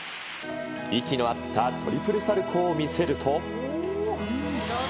息の合ったトリプルサルコーを見せると。